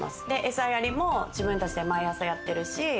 餌やりも自分たちで毎朝やってるし。